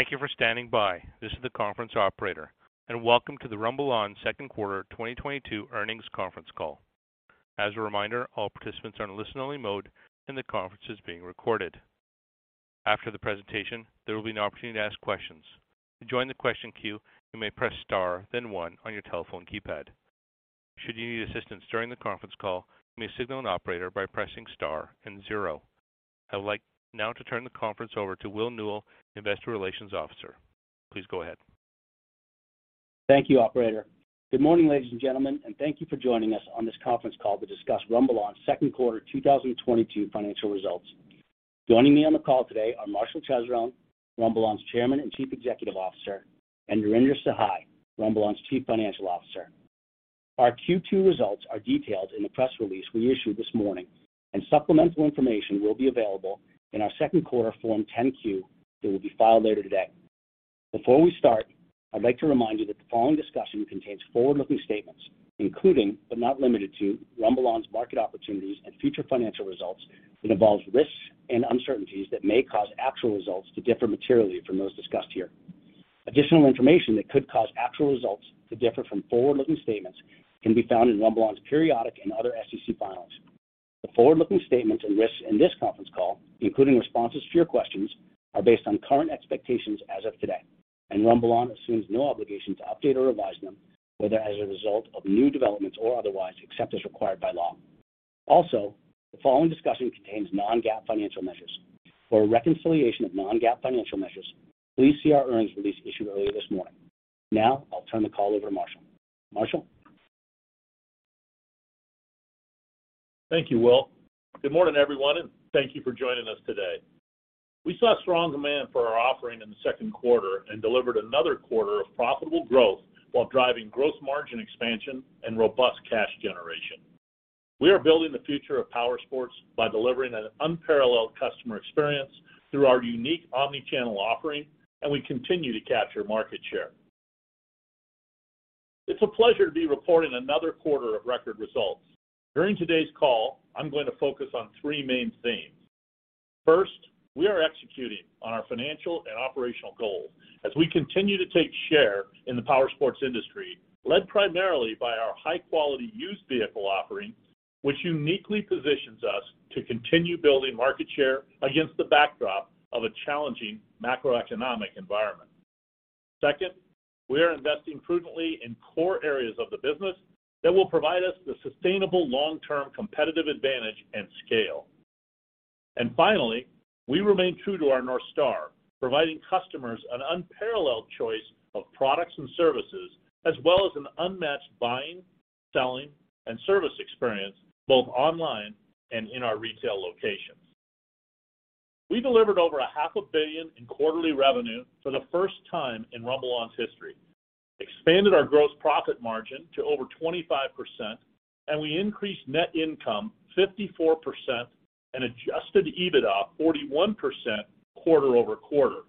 Thank you for standing by. This is the conference operator, and welcome to the RumbleOn Second Quarter 2022 Earnings Conference Call. As a reminder, all participants are in listen-only mode, and the conference is being recorded. After the presentation, there will be an opportunity to ask questions. To join the question queue, you may press star then one on your telephone keypad. Should you need assistance during the conference call, you may signal an operator by pressing star and zero. I would like now to turn the conference over to Will Newell, Investor Relations Officer. Please go ahead. Thank you, operator. Good morning, ladies and gentlemen, and thank you for joining us on this conference call to discuss RumbleOn's second quarter 2022 financial results. Joining me on the call today are Marshall Chesrown, RumbleOn's Chairman and Chief Executive Officer, and Narinder Sahai, RumbleOn's Chief Financial Officer. Our Q2 results are detailed in the press release we issued this morning, and supplemental information will be available in our second quarter Form 10-Q that will be filed later today. Before we start, I'd like to remind you that the following discussion contains forward-looking statements, including, but not limited to, RumbleOn's market opportunities and future financial results that involve risks and uncertainties that may cause actual results to differ materially from those discussed here. Additional information that could cause actual results to differ from forward-looking statements can be found in RumbleOn's periodic and other SEC filings. The forward-looking statements and risks in this conference call, including responses to your questions, are based on current expectations as of today, and RumbleOn assumes no obligation to update or revise them, whether as a result of new developments or otherwise, except as required by law. Also, the following discussion contains non-GAAP financial measures. For a reconciliation of non-GAAP financial measures, please see our earnings release issued earlier this morning. Now, I'll turn the call over to Marshall. Marshall? Thank you, Will. Good morning, everyone, and thank you for joining us today. We saw strong demand for our offering in the second quarter and delivered another quarter of profitable growth while driving gross margin expansion and robust cash generation. We are building the future of powersports by delivering an unparalleled customer experience through our unique omni-channel offering, and we continue to capture market share. It's a pleasure to be reporting another quarter of record results. During today's call, I'm going to focus on three main themes. First, we are executing on our financial and operational goals as we continue to take share in the powersports industry, led primarily by our high-quality used vehicle offering, which uniquely positions us to continue building market share against the backdrop of a challenging macroeconomic environment. Second, we are investing prudently in core areas of the business that will provide us the sustainable long-term competitive advantage and scale. Finally, we remain true to our North Star, providing customers an unparalleled choice of products and services as well as an unmatched buying, selling, and service experience both online and in our retail locations. We delivered over half a billion in quarterly revenue for the first time in RumbleOn's history, expanded our gross profit margin to over 25%, and we increased net income 54% and adjusted EBITDA 41% quarter-over-quarter.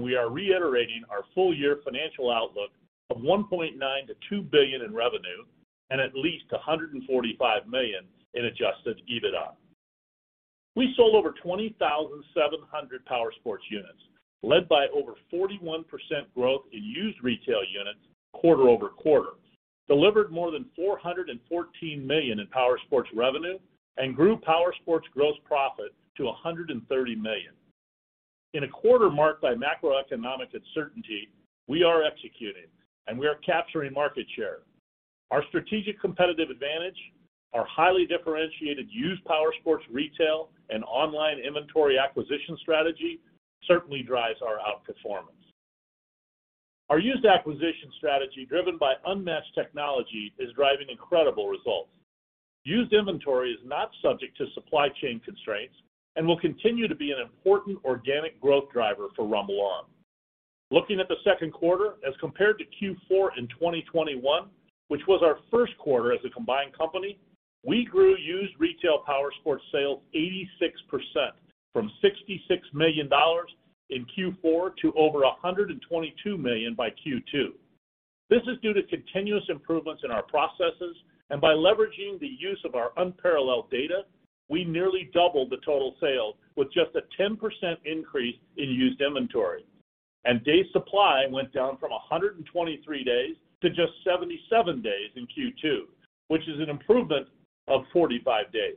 We are reiterating our full-year financial outlook of $1.9 billion-$2 billion in revenue and at least $145 million in adjusted EBITDA. We sold over 20,700 powersports units, led by over 41% growth in used retail units quarter-over-quarter, delivered more than $414 million in powersports revenue, and grew powersports gross profit to $130 million. In a quarter marked by macroeconomic uncertainty, we are executing, and we are capturing market share. Our strategic competitive advantage, our highly differentiated used powersports retail and online inventory acquisition strategy certainly drives our outperformance. Our used acquisition strategy, driven by unmatched technology, is driving incredible results. Used inventory is not subject to supply chain constraints and will continue to be an important organic growth driver for RumbleOn. Looking at the second quarter, as compared to Q4 in 2021, which was our first quarter as a combined company, we grew used retail powersports sales 86% from $66 million in Q4 to over $122 million by Q2. This is due to continuous improvements in our processes, and by leveraging the use of our unparalleled data, we nearly doubled the total sales with just a 10% increase in used inventory. Days' supply went down from 123 days to just 77 days in Q2, which is an improvement of 45 days.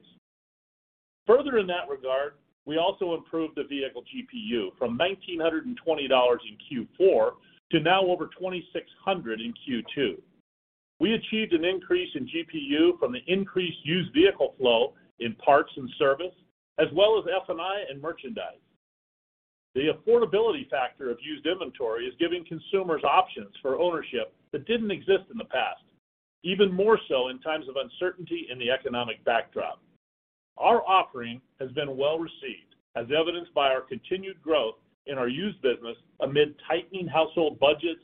Further in that regard, we also improved the vehicle GPU from $1,920 in Q4 to now over $2,600 in Q2. We achieved an increase in GPU from the increased used vehicle flow in parts and service as well as F&I and merchandise. The affordability factor of used inventory is giving consumers options for ownership that didn't exist in the past, even more so in times of uncertainty in the economic backdrop. Our offering has been well-received, as evidenced by our continued growth in our used business amid tightening household budgets,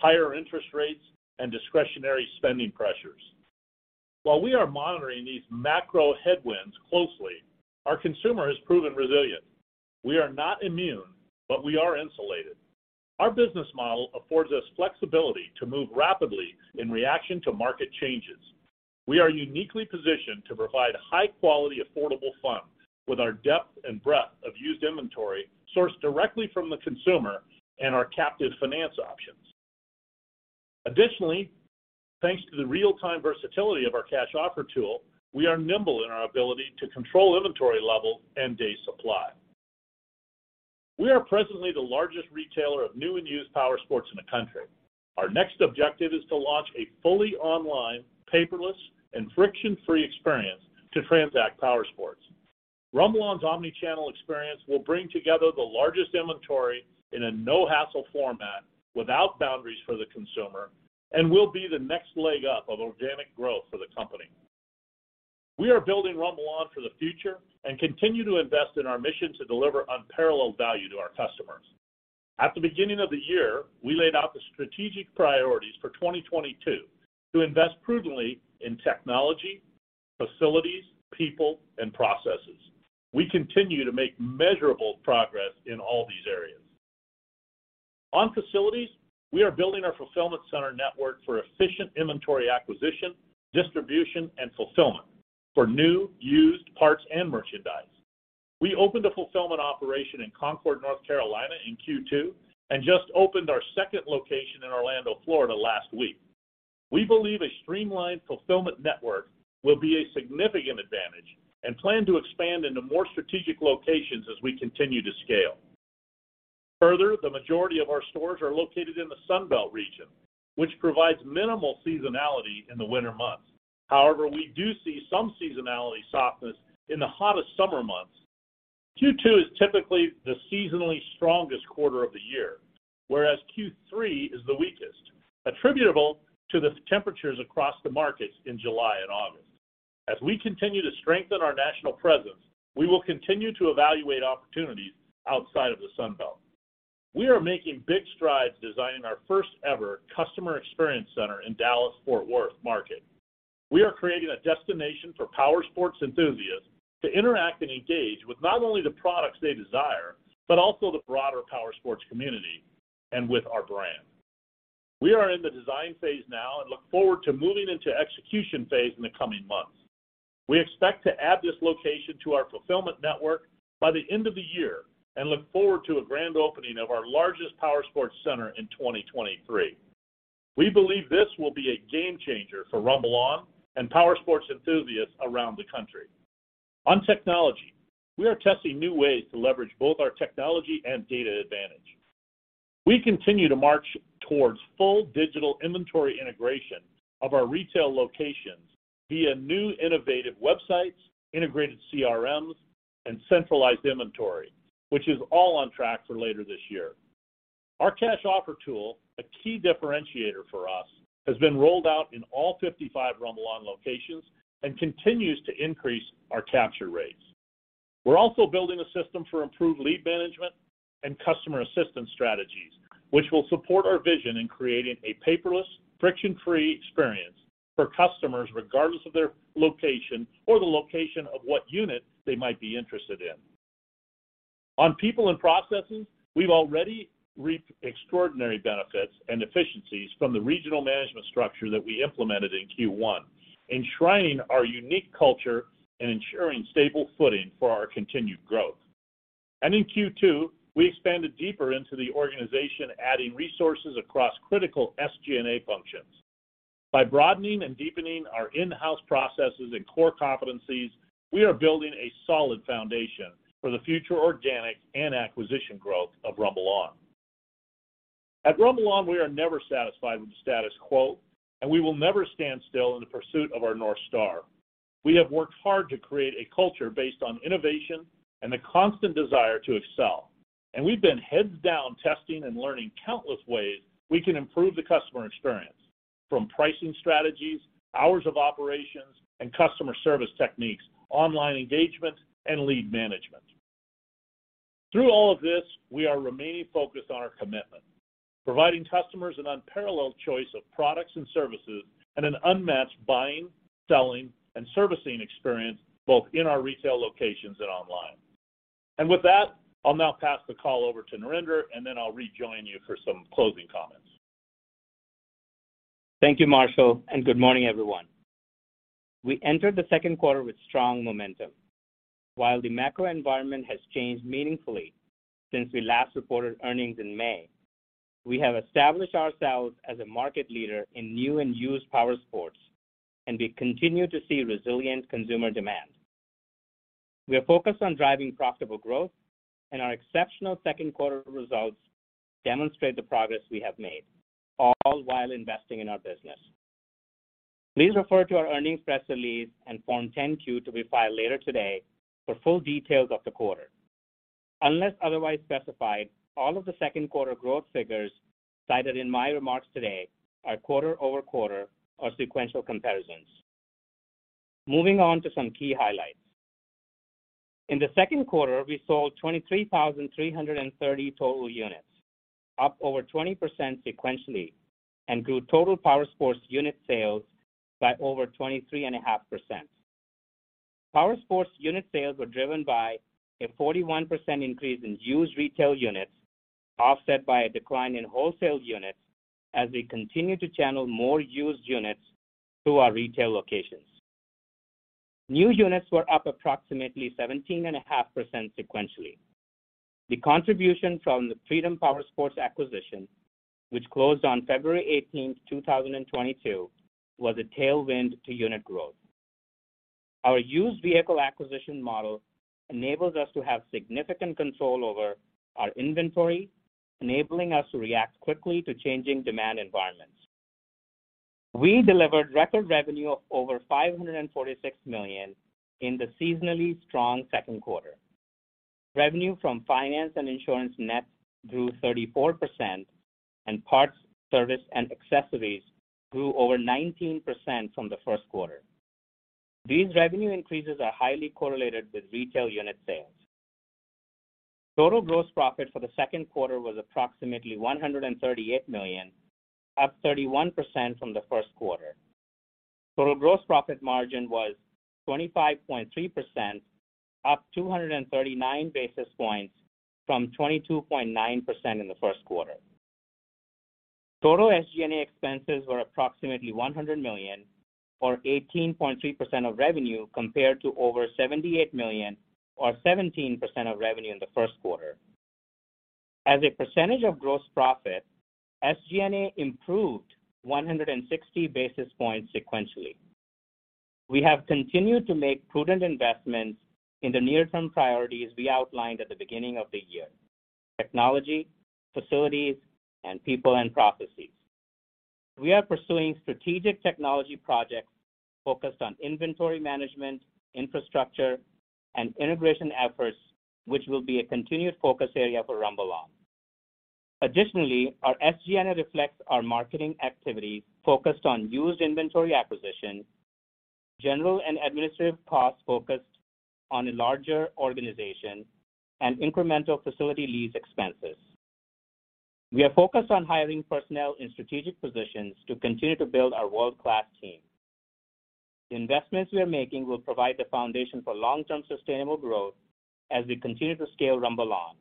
higher interest rates, and discretionary spending pressures. While we are monitoring these macro headwinds closely, our consumer has proven resilient. We are not immune, but we are insulated. Our business model affords us flexibility to move rapidly in reaction to market changes. We are uniquely positioned to provide high quality, affordable funds with our depth and breadth of used inventory sourced directly from the consumer and our captive finance options. Additionally, thanks to the real-time versatility of our Cash Offer Tool, we are nimble in our ability to control inventory level and days' supply. We are presently the largest retailer of new and used powersports in the country. Our next objective is to launch a fully online, paperless and friction-free experience to transact powersports. RumbleOn's omni-channel experience will bring together the largest inventory in a no-hassle format without boundaries for the consumer and will be the next leg up of organic growth for the company. We are building RumbleOn for the future and continue to invest in our mission to deliver unparalleled value to our customers. At the beginning of the year, we laid out the strategic priorities for 2022 to invest prudently in technology, facilities, people and processes. We continue to make measurable progress in all these areas. On facilities, we are building our fulfillment center network for efficient inventory acquisition, distribution and fulfillment for new, used, parts and merchandise. We opened a fulfillment operation in Concord, North Carolina in Q2, and just opened our second location in Orlando, Florida last week. We believe a streamlined fulfillment network will be a significant advantage and plan to expand into more strategic locations as we continue to scale. Further, the majority of our stores are located in the Sunbelt region, which provides minimal seasonality in the winter months. However, we do see some seasonality softness in the hottest summer months. Q2 is typically the seasonally strongest quarter of the year, whereas Q3 is the weakest, attributable to the temperatures across the markets in July and August. As we continue to strengthen our national presence, we will continue to evaluate opportunities outside of the Sunbelt. We are making big strides designing our first-ever customer experience center in Dallas-Fort Worth market. We are creating a destination for powersports enthusiasts to interact and engage with not only the products they desire, but also the broader powersports community and with our brand. We are in the design phase now and look forward to moving into execution phase in the coming months. We expect to add this location to our fulfillment network by the end of the year and look forward to a grand opening of our largest powersports center in 2023. We believe this will be a game changer for RumbleOn and powersports enthusiasts around the country. On technology, we are testing new ways to leverage both our technology and data advantage. We continue to march towards full digital inventory integration of our retail locations via new innovative websites, integrated CRMs and centralized inventory, which is all on track for later this year. Our Cash Offer Tool, a key differentiator for us, has been rolled out in all 55 RumbleOn locations and continues to increase our capture rates. We're also building a system for improved lead management and customer assistance strategies, which will support our vision in creating a paperless, friction-free experience for customers regardless of their location or the location of what unit they might be interested in. On people and processes, we've already reaped extraordinary benefits and efficiencies from the regional management structure that we implemented in Q1, enshrining our unique culture and ensuring stable footing for our continued growth. In Q2, we expanded deeper into the organization, adding resources across critical SG&A functions. By broadening and deepening our in-house processes and core competencies, we are building a solid foundation for the future organic and acquisition growth of RumbleOn. At RumbleOn, we are never satisfied with the status quo, and we will never stand still in the pursuit of our North Star. We have worked hard to create a culture based on innovation and the constant desire to excel, and we've been heads down testing and learning countless ways we can improve the customer experience from pricing strategies, hours of operations and customer service techniques, online engagement and lead management. Through all of this, we are remaining focused on our commitment, providing customers an unparalleled choice of products and services and an unmatched buying, selling and servicing experience both in our retail locations and online. With that, I'll now pass the call over to Narinder, and then I'll rejoin you for some closing comments. Thank you, Marshall, and good morning, everyone. We entered the second quarter with strong momentum. While the macro environment has changed meaningfully since we last reported earnings in May, we have established ourselves as a market leader in new and used powersports, and we continue to see resilient consumer demand. We are focused on driving profitable growth and our exceptional second quarter results demonstrate the progress we have made, all while investing in our business. Please refer to our earnings press release and Form 10-Q to be filed later today for full details of the quarter. Unless otherwise specified, all of the second quarter growth figures cited in my remarks today are quarter-over-quarter or sequential comparisons. Moving on to some key highlights. In the second quarter, we sold 23,300 total units, up over 20% sequentially and grew total powersports unit sales by over 23.5%. Powersports unit sales were driven by a 41% increase in used retail units, offset by a decline in wholesale units as we continue to channel more used units through our retail locations. New units were up approximately 17.5% sequentially. The contribution from the Freedom Powersports acquisition, which closed on February eighteenth, 2022, was a tailwind to unit growth. Our used vehicle acquisition model enables us to have significant control over our inventory, enabling us to react quickly to changing demand environments. We delivered record revenue of over $546 million in the seasonally strong second quarter. Revenue from finance and insurance net grew 34%, and parts, service, and accessories grew over 19% from the first quarter. These revenue increases are highly correlated with retail unit sales. Total gross profit for the second quarter was approximately $138 million, up 31% from the first quarter. Total gross profit margin was 25.3%, up 239 basis points from 22.9% in the first quarter. Total SG&A expenses were approximately $100 million, or 18.3% of revenue compared to over $78 million or 17% of revenue in the first quarter. As a percentage of gross profit, SG&A improved 160 basis points sequentially. We have continued to make prudent investments in the near-term priorities we outlined at the beginning of the year. Technology, facilities, and people and processes. We are pursuing strategic technology projects focused on inventory management, infrastructure, and integration efforts, which will be a continued focus area for RumbleOn. Additionally, our SG&A reflects our marketing activity focused on used inventory acquisition, general and administrative costs focused on a larger organization, and incremental facility lease expenses. We are focused on hiring personnel in strategic positions to continue to build our world-class team. The investments we are making will provide the foundation for long-term sustainable growth as we continue to scale RumbleOn.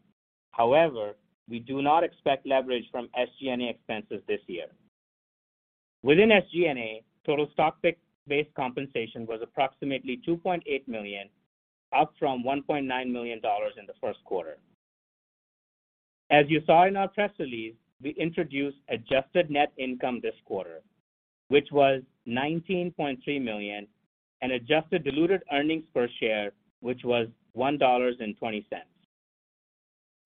However, we do not expect leverage from SG&A expenses this year. Within SG&A, total stock-based compensation was approximately $2.8 million, up from $1.9 million in the first quarter. As you saw in our press release, we introduced adjusted net income this quarter, which was $19.3 million, and adjusted diluted earnings per share, which was $1.20.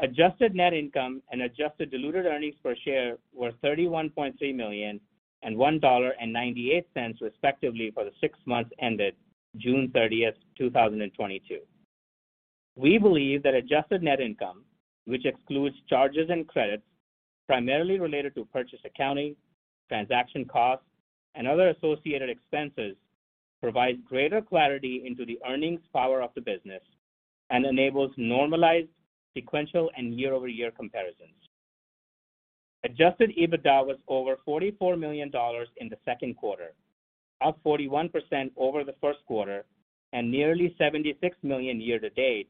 Adjusted net income and adjusted diluted earnings per share were $31.3 million and $1.98, respectively, for the six months ended June 30, 2022. We believe that adjusted net income, which excludes charges and credits primarily related to purchase accounting, transaction costs, and other associated expenses, provides greater clarity into the earnings power of the business and enables normalized, sequential, and year-over-year comparisons. Adjusted EBITDA was over $44 million in the second quarter, up 41% over the first quarter and nearly $76 million year to date,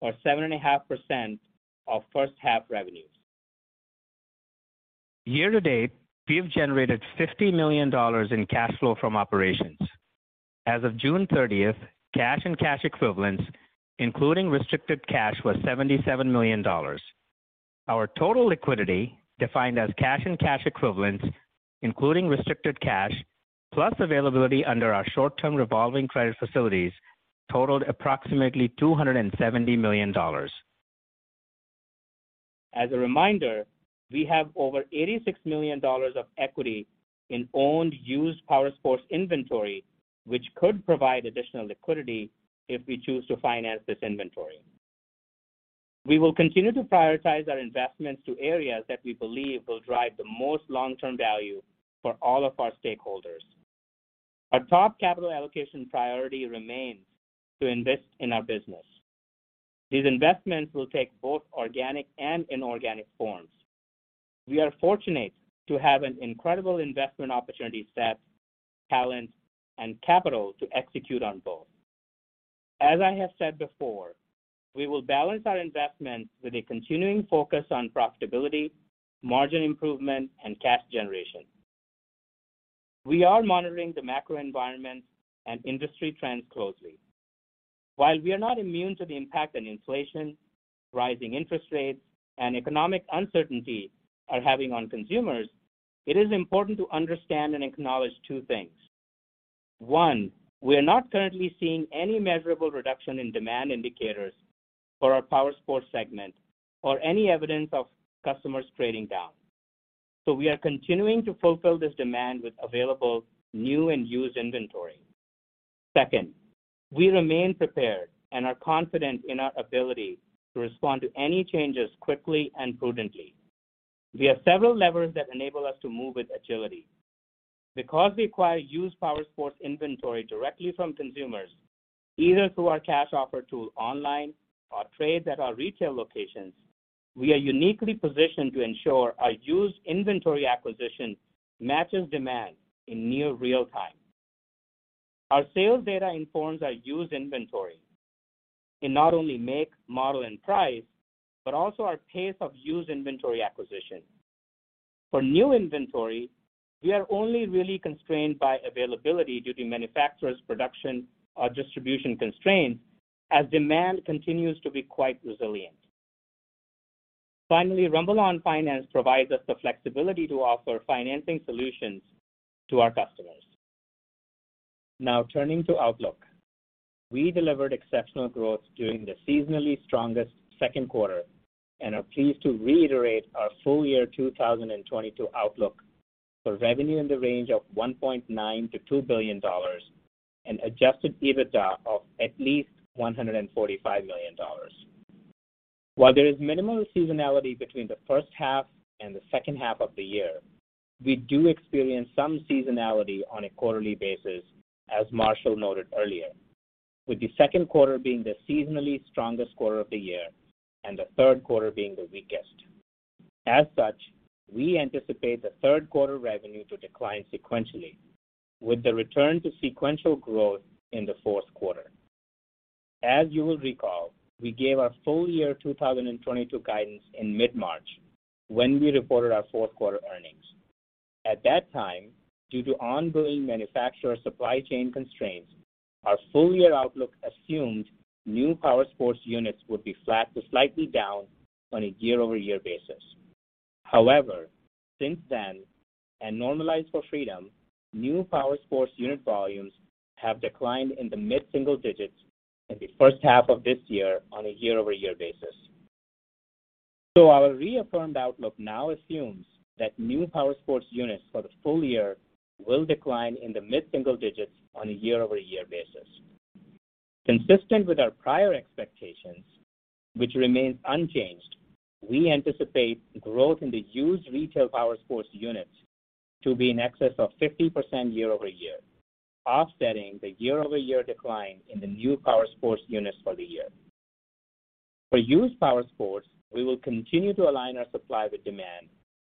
or 7.5% of first half revenues. Year to date, we have generated $50 million in cash flow from operations. As of June 30, cash and cash equivalents, including restricted cash, was $77 million. Our total liquidity, defined as cash and cash equivalents, including restricted cash plus availability under our short-term revolving credit facilities totaled approximately $270 million. As a reminder, we have over $86 million of equity in owned used powersports inventory, which could provide additional liquidity if we choose to finance this inventory. We will continue to prioritize our investments to areas that we believe will drive the most long-term value for all of our stakeholders. Our top capital allocation priority remains to invest in our business. These investments will take both organic and inorganic forms. We are fortunate to have an incredible investment opportunity set, talent, and capital to execute on both. As I have said before, we will balance our investments with a continuing focus on profitability, margin improvement, and cash generation. We are monitoring the macro environment and industry trends closely. While we are not immune to the impact of inflation, rising interest rates, and economic uncertainty are having on consumers, it is important to understand and acknowledge two things. One, we are not currently seeing any measurable reduction in demand indicators for our powersports segment or any evidence of customers trading down. We are continuing to fulfill this demand with available new and used inventory. Second, we remain prepared and are confident in our ability to respond to any changes quickly and prudently. We have several levers that enable us to move with agility. Because we acquire used powersports inventory directly from consumers, either through our Cash Offer Tool online or trades at our retail locations. We are uniquely positioned to ensure our used inventory acquisition matches demand in near real time. Our sales data informs our used inventory in not only make, model, and price, but also our pace of used inventory acquisition. For new inventory, we are only really constrained by availability due to manufacturers' production or distribution constraints as demand continues to be quite resilient. Finally, RumbleOn Finance provides us the flexibility to offer financing solutions to our customers. Now turning to outlook. We delivered exceptional growth during the seasonally strongest second quarter and are pleased to reiterate our full year 2022 outlook for revenue in the range of $1.9 billion-$2 billion and adjusted EBITDA of at least $145 million. While there is minimal seasonality between the first half and the second half of the year, we do experience some seasonality on a quarterly basis, as Marshall noted earlier, with the second quarter being the seasonally strongest quarter of the year and the third quarter being the weakest. As such, we anticipate the third quarter revenue to decline sequentially, with the return to sequential growth in the fourth quarter. As you will recall, we gave our full year 2022 guidance in mid-March when we reported our fourth quarter earnings. At that time, due to ongoing manufacturer supply chain constraints, our full year outlook assumed new powersports units would be flat to slightly down on a year-over-year basis. However, since then, and normalized for Freedom, new powersports unit volumes have declined in the mid-single digits in the first half of this year on a year-over-year basis. Our reaffirmed outlook now assumes that new powersports units for the full year will decline in the mid-single digits on a year-over-year basis. Consistent with our prior expectations, which remains unchanged, we anticipate growth in the used retail powersports units to be in excess of 50% year-over-year, offsetting the year-over-year decline in the new powersports units for the year. For used powersports, we will continue to align our supply with demand,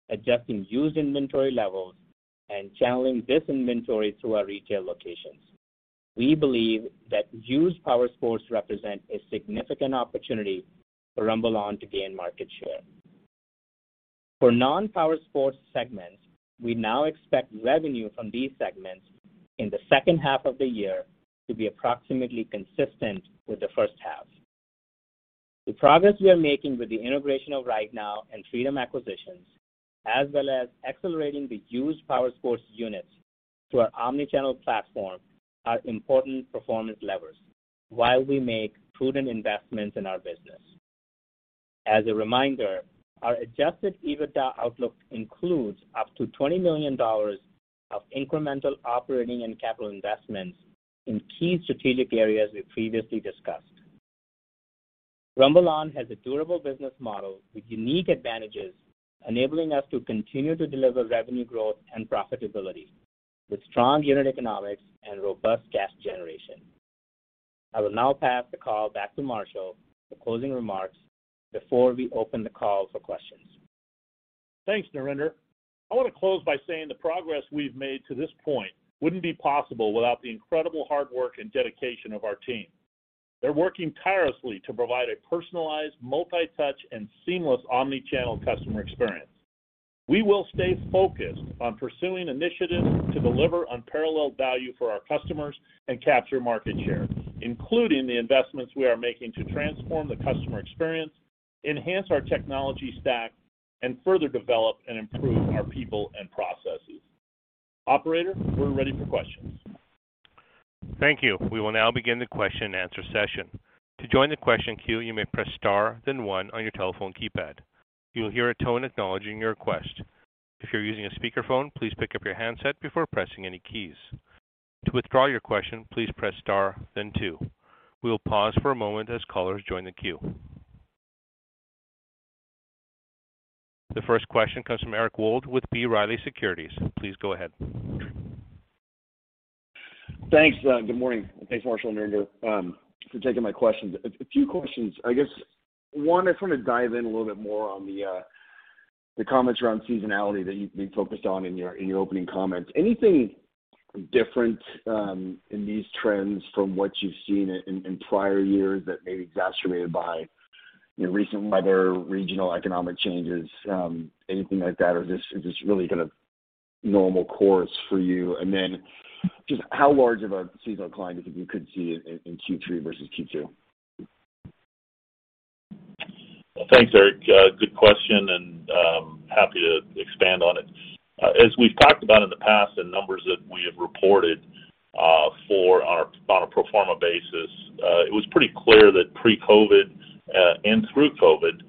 adjusting used inventory levels and channeling this inventory through our retail locations. We believe that used powersports represent a significant opportunity for RumbleOn to gain market share. For non-powersports segments, we now expect revenue from these segments in the second half of the year to be approximately consistent with the first half. The progress we are making with the integration of RideNow and Freedom acquisitions, as well as accelerating the used powersports units to our omni-channel platform are important performance levers while we make prudent investments in our business. As a reminder, our adjusted EBITDA outlook includes up to $20 million of incremental operating and capital investments in key strategic areas we previously discussed. RumbleOn has a durable business model with unique advantages enabling us to continue to deliver revenue growth and profitability with strong unit economics and robust cash generation. I will now pass the call back to Marshall for closing remarks before we open the call for questions. Thanks, Narinder. I wanna close by saying the progress we've made to this point wouldn't be possible without the incredible hard work and dedication of our team. They're working tirelessly to provide a personalized, multi-touch, and seamless omni-channel customer experience. We will stay focused on pursuing initiatives to deliver unparalleled value for our customers and capture market share, including the investments we are making to transform the customer experience, enhance our technology stack, and further develop and improve our people and processes. Operator, we're ready for questions. Thank you. We will now begin the Q&A session. To join the question queue, you may press star then one on your telephone keypad. You will hear a tone acknowledging your request. If you're using a speakerphone, please pick up your handset before pressing any keys. To withdraw your question, please press star then two. We will pause for a moment as callers join the queue. The first question comes from Eric Wold with B. Riley Securities. Please go ahead. Thanks. Good morning, and thanks, Marshall and Narinder, for taking my questions. A few questions. I guess one, I just wanna dive in a little bit more on the comments around seasonality that you've been focused on in your opening comments. Anything different in these trends from what you've seen in prior years that may be exacerbated by, you know, recent weather, regional economic changes, anything like that, or this is just really kinda normal course for you? And then just how large of a seasonal decline is it we could see in Q3 versus Q2? Well, thanks, Eric. Good question, and happy to expand on it. As we've talked about in the past and numbers that we have reported, on a pro forma basis, it was pretty clear that pre-COVID and through COVID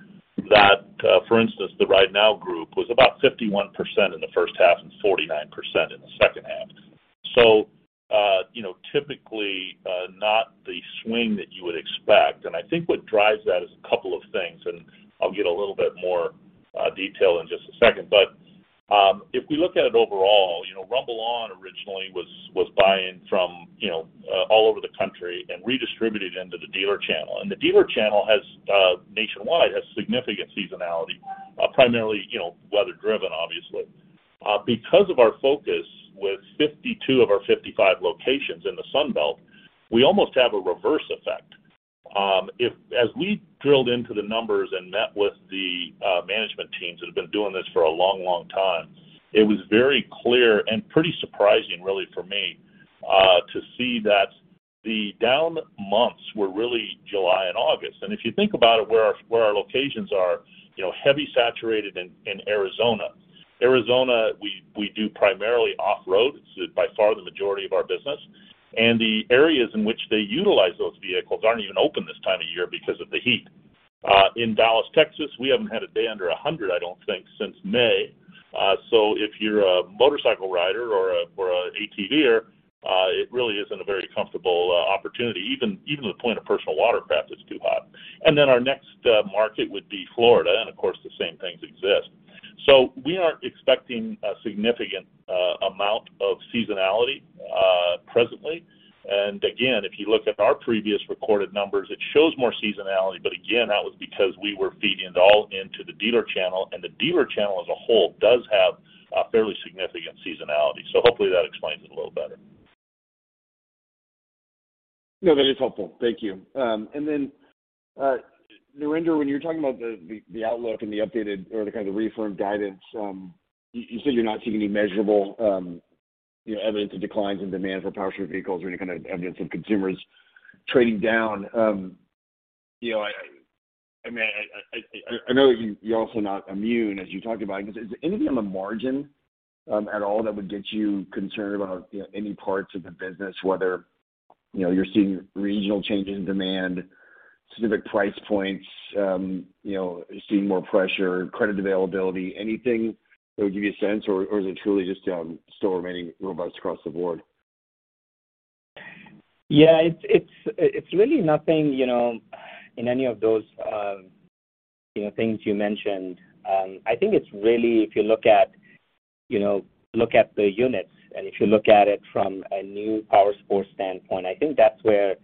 that, for instance, the RideNow Group was about 51% in the first half and 49% in the second half. You know, typically, not the swing that you would expect, and I think what drives that is a couple of things, and I'll get a little bit more detail in just a second. If we look at it overall, you know, RumbleOn originally was buying from, you know, all over the country and redistributed into the dealer channel. The dealer channel has nationwide significant seasonality, primarily, you know, weather driven obviously. Because of our focus with 52 of our 55 locations in the Sun Belt, we almost have a reverse effect. As we drilled into the numbers and met with the management teams that have been doing this for a long, long time, it was very clear, and pretty surprising really for me, to see that the down months were really July and August. If you think about it, where our locations are, you know, heavily saturated in Arizona. Arizona, we do primarily off-road. It's by far the majority of our business. The areas in which they utilize those vehicles aren't even open this time of year because of the heat. In Dallas, Texas, we haven't had a day under 100, I don't think, since May. If you're a motorcycle rider or an ATVer, it really isn't a very comfortable opportunity. Even at the point of personal watercraft, it's too hot. Our next market would be Florida, and of course the same things exist. We aren't expecting a significant amount of seasonality presently. Again, if you look at our previous recorded numbers, it shows more seasonality, but again, that was because we were feeding it all into the dealer channel, and the dealer channel as a whole does have a fairly significant seasonality. Hopefully that explains it a little better. No, that is helpful. Thank you. And then, Narinder, when you're talking about the outlook and the updated or the kind of reaffirmed guidance, you said you're not seeing any measurable, you know, evidence of declines in demand for powersports vehicles or any kind of evidence of consumers trading down. You know, I mean, I know you're also not immune, as you talked about. Is anything on the margin at all that would get you concerned about, you know, any parts of the business, whether, you know, you're seeing regional changes in demand, specific price points, you know, seeing more pressure, credit availability, anything that would give you a sense, or is it truly just demand still remaining robust across the board? Yeah. It's really nothing, you know, in any of those things you mentioned. I think it's really if you look at, you know, look at the units, and if you look at it from a new powersports standpoint, I think that's where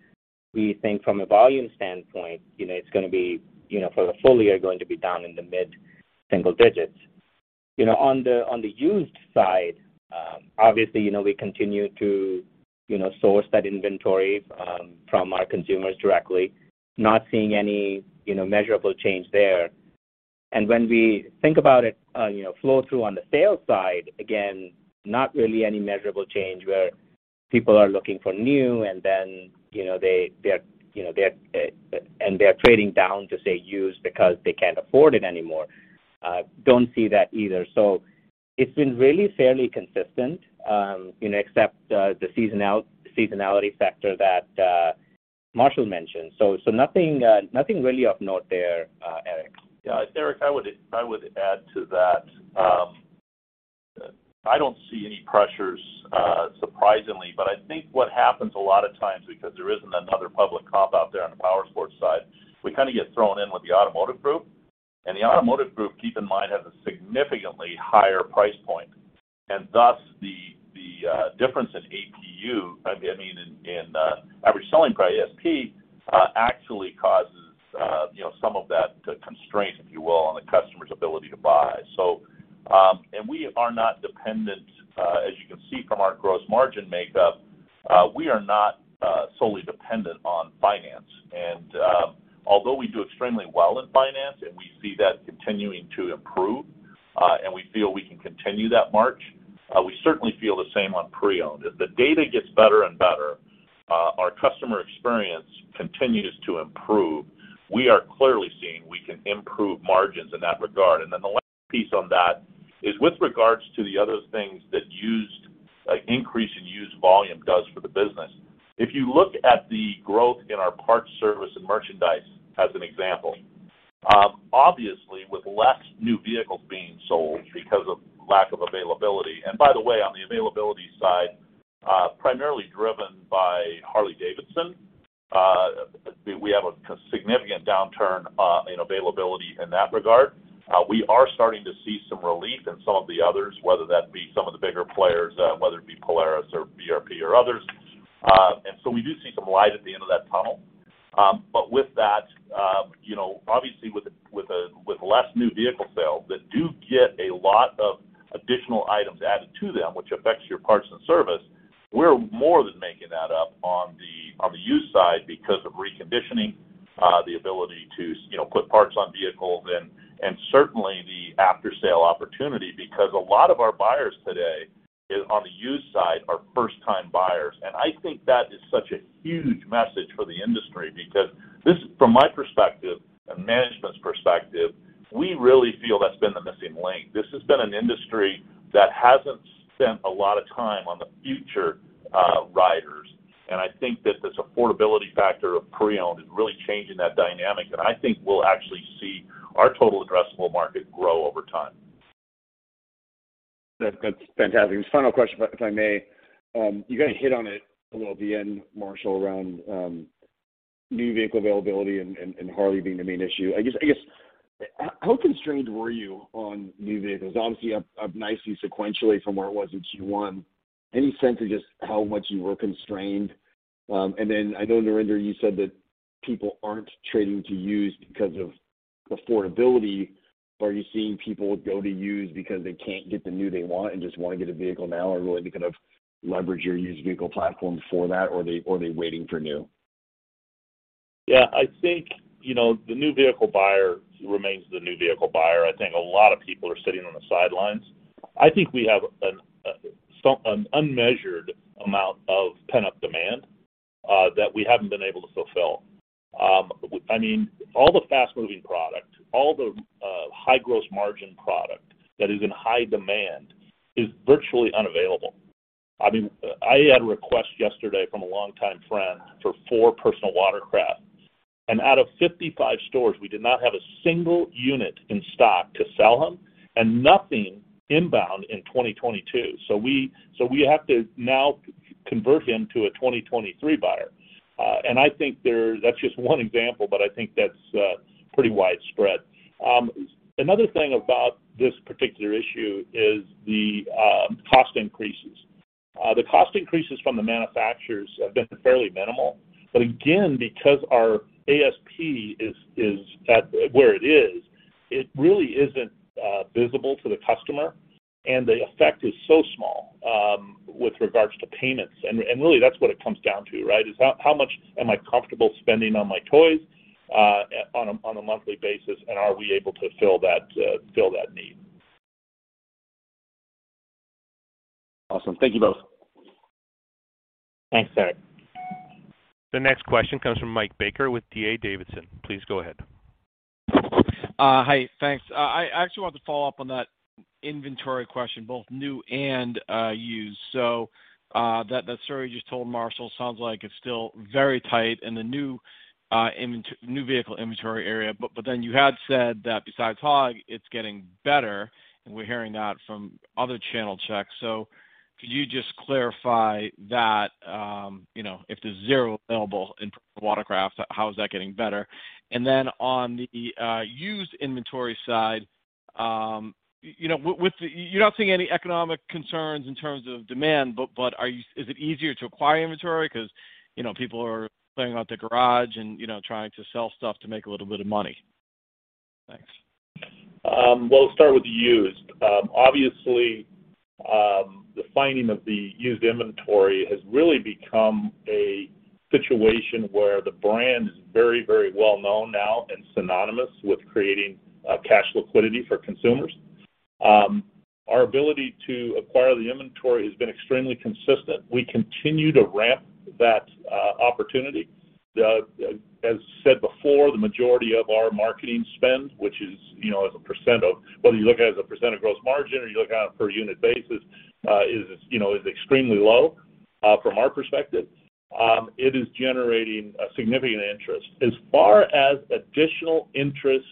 we think from a volume standpoint, you know, it's gonna be, you know, for the full year, going to be down in the mid-single digits%. You know, on the used side, obviously, you know, we continue to, you know, source that inventory from our consumers directly, not seeing any, you know, measurable change there. When we think about it, you know, flow through on the sales side, again, not really any measurable change where people are looking for new and then, you know, they're trading down to say used because they can't afford it anymore. Don't see that either. It's been really fairly consistent, you know, except the seasonality factor that Marshall mentioned. Nothing really of note there, Eric. Yeah. Eric, I would add to that. I don't see any pressures, surprisingly, but I think what happens a lot of times because there isn't another public comp out there on the powersports side, we kinda get thrown in with the automotive group. The automotive group, keep in mind, has a significantly higher price point. Thus, the difference in average selling price, ASP, actually causes, you know, some of that constraint, if you will, on the customer's ability to buy. We are not dependent, as you can see from our gross margin makeup, we are not solely dependent on finance. Although we do extremely well in finance and we see that continuing to improve, and we feel we can continue that march, we certainly feel the same on pre-owned. As the data gets better and better, our customer experience continues to improve. We are clearly seeing we can improve margins in that regard. Then the last piece on that is with regards to the other things that, like, increase in used volume does for the business, if you look at the growth in our parts, service, and merchandise as an example, obviously, with less new vehicles being sold because of lack of availability. By the way, on the availability side, primarily driven by Harley-Davidson, we have a significant downturn in availability in that regard. We are starting to see some relief in some of the others, whether that be some of the bigger players, whether it be Polaris or BRP or others. We do see some light at the end of that tunnel. With that, you know, obviously, with less new vehicle sales that do get a lot of additional items added to them, which affects your parts and service, we're more than making that up on the used side because of reconditioning, the ability to, you know, put parts on vehicles and certainly the after-sale opportunity. Because a lot of our buyers today is, on the used side, are first-time buyers. I think that is such a huge message for the industry because this, from my perspective and management's perspective, we really feel that's been the missing link. This has been an industry that hasn't spent a lot of time on the future, riders. I think that this affordability factor of pre-owned is really changing that dynamic. I think we'll actually see our total addressable market grow over time. That's fantastic. Final question, if I may. You kinda hit on it a little at the end, Marshall, around new vehicle availability and Harley being the main issue. I guess how constrained were you on new vehicles? Obviously, up nicely sequentially from where it was in Q1. Any sense of just how much you were constrained? And then I know, Narinder, you said that people aren't trading to used because of affordability, but are you seeing people go to used because they can't get the new they want and just wanna get a vehicle now? Or are they going to kind of leverage your used vehicle platform for that, or are they waiting for new? Yeah. I think, you know, the new vehicle buyer remains the new vehicle buyer. I think a lot of people are sitting on the sidelines. I think we have an unmeasured amount of pent-up demand that we haven't been able to fulfill. I mean, all the fast-moving product, all the high gross margin product that is in high demand is virtually unavailable. I mean, I had a request yesterday from a longtime friend for four personal watercraft, and out of 55 stores, we did not have a single unit in stock to sell him and nothing inbound in 2022. We have to now convert him to a 2023 buyer. I think that's just one example, but I think that's pretty widespread. Another thing about this particular issue is the cost increases. The cost increases from the manufacturers have been fairly minimal, but again, because our ASP is at where it is, it really isn't visible to the customer, and the effect is so small with regards to payments. Really that's what it comes down to, right? Is how much am I comfortable spending on my toys on a monthly basis, and are we able to fill that need? Awesome. Thank you both. Thanks, Eric. The next question comes from Michael Baker with D.A. Davidson. Please go ahead. Hi. Thanks. I actually wanted to follow up on that inventory question, both new and used. That story you just told Marshall sounds like it's still very tight in the new vehicle inventory area. Then you had said that besides Hog, it's getting better, and we're hearing that from other channel checks. Could you just clarify that, you know, if there's 0 available in personal watercraft, how is that getting better? Then on the used inventory side, you know, with you're not seeing any economic concerns in terms of demand, but is it easier to acquire inventory because, you know, people are clearing out their garage and, you know, trying to sell stuff to make a little bit of money? Thanks. Well, I'll start with the used. Obviously, the finding of the used inventory has really become a situation where the brand is very, very well known now and synonymous with creating cash liquidity for consumers. Our ability to acquire the inventory has been extremely consistent. We continue to ramp that opportunity. As said before, the majority of our marketing spend, which is, you know, as a percent of whether you look at it as a percent of gross margin or you look at it on a per unit basis, is, you know, extremely low from our perspective. It is generating a significant interest. As far as additional interest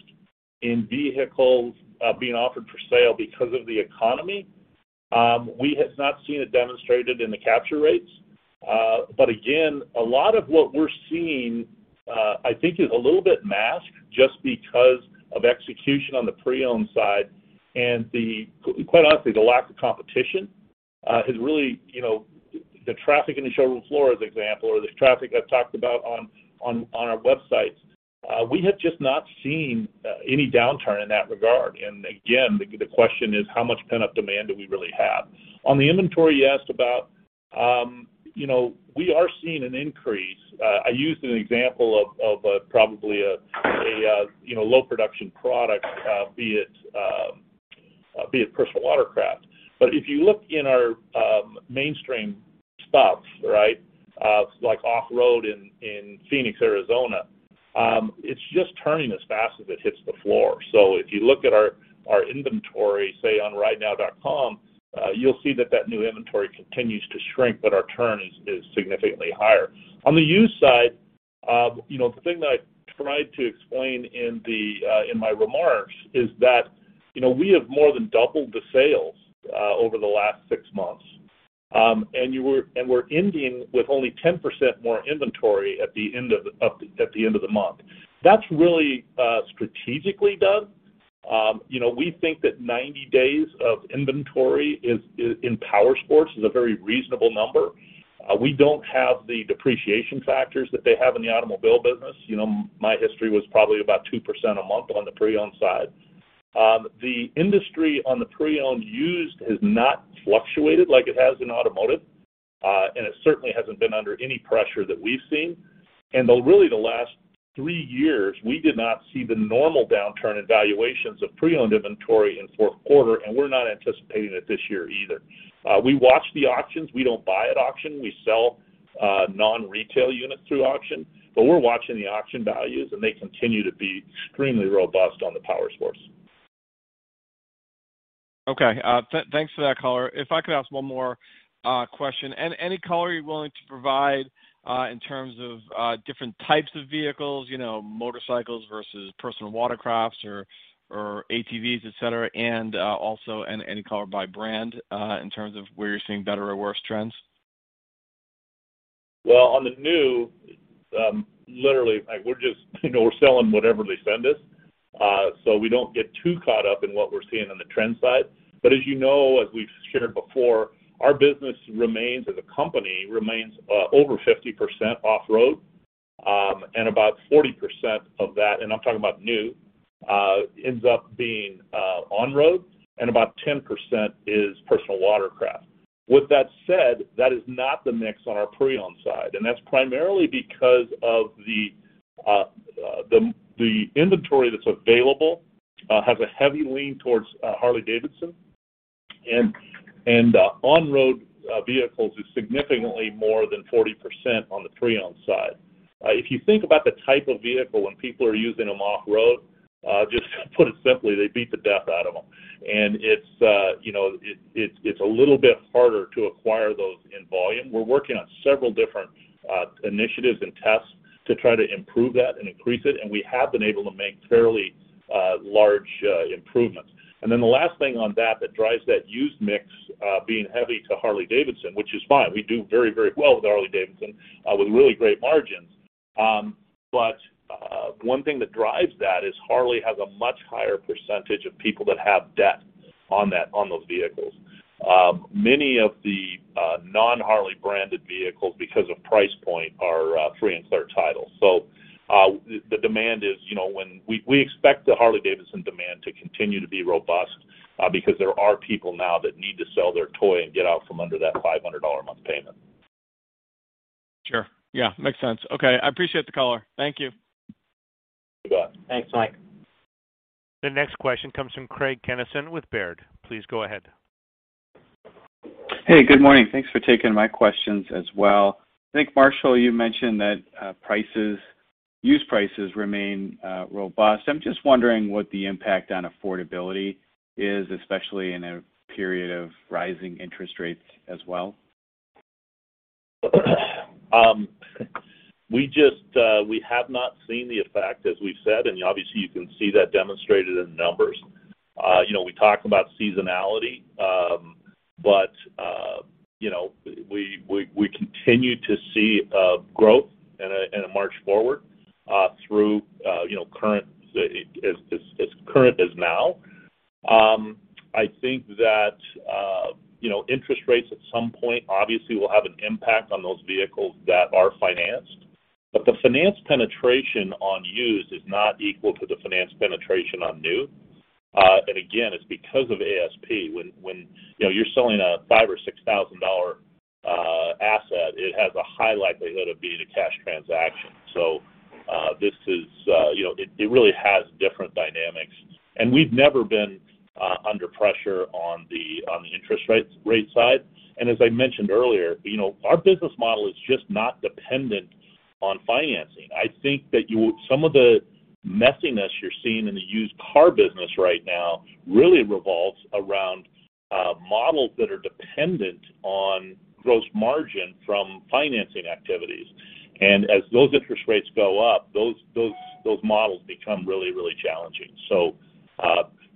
in vehicles being offered for sale because of the economy, we have not seen it demonstrated in the capture rates. Again, a lot of what we're seeing, I think, is a little bit masked just because of execution on the pre-owned side and, quite honestly, the lack of competition has really, you know, the traffic in the showroom floor, as example, or the traffic I've talked about on our websites, we have just not seen any downturn in that regard. Again, the question is how much pent-up demand do we really have? On the inventory you asked about, you know, we are seeing an increase. I used an example of probably a, you know, low production product, be it personal watercraft. If you look in our mainstream stuff, right, like off-road in Phoenix, Arizona, it's just turning as fast as it hits the floor. If you look at our inventory, say on ridenow.com, you'll see that new inventory continues to shrink, but our turn is significantly higher. On the used side, you know, the thing that I tried to explain in my remarks is that, you know, we have more than doubled the sales over the last six months. We're ending with only 10% more inventory at the end of the month. That's really strategically done. You know, we think that 90 days of inventory in powersports is a very reasonable number. We don't have the depreciation factors that they have in the automobile business. You know, my history was probably about 2% a month on the pre-owned side. The industry on the pre-owned used has not fluctuated like it has in automotive, and it certainly hasn't been under any pressure that we've seen. Though really the last three years, we did not see the normal downturn in valuations of pre-owned inventory in fourth quarter, and we're not anticipating it this year either. We watch the auctions. We don't buy at auction. We sell non-retail units through auction. But we're watching the auction values, and they continue to be extremely robust on the powersports. Okay. Thanks for that color. If I could ask one more question. Any color you're willing to provide in terms of different types of vehicles, you know, motorcycles versus personal watercraft or ATVs, et cetera, and also any color by brand in terms of where you're seeing better or worse trends? Well, on the new, literally, like we're just, you know, we're selling whatever they send us, so we don't get too caught up in what we're seeing on the trend side. As you know, as we've shared before, our business remains, as a company, over 50% off-road, and about 40% of that, and I'm talking about new, ends up being on-road, and about 10% is personal watercraft. With that said, that is not the mix on our pre-owned side, and that's primarily because of the inventory that's available has a heavy lean towards Harley-Davidson, and on-road vehicles is significantly more than 40% on the pre-owned side. If you think about the type of vehicle when people are using them off-road, just to put it simply, they beat the hell out of them. It's a little bit harder to acquire those in volume. We're working on several different initiatives and tests to try to improve that and increase it, and we have been able to make fairly large improvements. Then the last thing on that that drives that used mix being heavy to Harley-Davidson, which is fine. We do very, very well with Harley-Davidson with really great margins. One thing that drives that is Harley has a much higher percentage of people that have debt on that, on those vehicles. Many of the non-Harley branded vehicles, because of price point, are free and clear title. The demand is, you know, when we expect the Harley-Davidson demand to continue to be robust, because there are people now that need to sell their toy and get out from under that $500 a month payment. Sure. Yeah. Makes sense. Okay. I appreciate the caller. Thank you. You bet. Thanks, Mike. The next question comes from Craig Kennison with Baird. Please go ahead. Hey, good morning. Thanks for taking my questions as well. I think, Marshall, you mentioned that, prices, used prices remain robust. I'm just wondering what the impact on affordability is, especially in a period of rising interest rates as well. We just, we have not seen the effect, as we've said, and obviously you can see that demonstrated in the numbers. You know, we talk about seasonality, but you know, we continue to see growth and a march forward through current, as current as now. I think that you know, interest rates at some point obviously will have an impact on those vehicles that are financed. The finance penetration on used is not equal to the finance penetration on new. Again, it's because of ASP. When you know, you're selling a $5,000 or $6,000 asset, it has a high likelihood of being a cash transaction. This is, you know, it really has different dynamics. We've never been under pressure on the interest rates side. As I mentioned earlier, you know, our business model is just not dependent on financing. I think that some of the messiness you're seeing in the used car business right now really revolves around models that are dependent on gross margin from financing activities. As those interest rates go up, those models become really challenging.